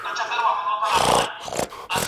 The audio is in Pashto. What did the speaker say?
چي سبا په سنګساریږو نن به ووایو دنیا ته